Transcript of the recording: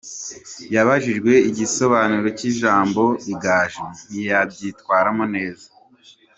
Yabajijwe igisobanuro cy’ijambo ’igaju’ ntiyabyitwaramo neza.